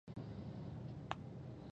يو مهال د پوهنتون د دېوال سره موازي خوشې و.